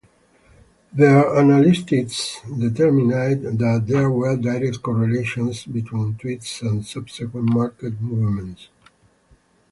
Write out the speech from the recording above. Their analysts determined that there were direct correlations between tweets and subsequent market movements.